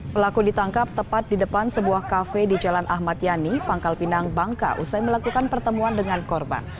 pelaku ditangkap tepat di depan sebuah kafe di jalan ahmad yani pangkal pinang bangka usai melakukan pertemuan dengan korban